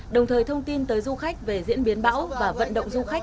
đồng thời thông tin tới du khách về diễn biến bão và vận động du khách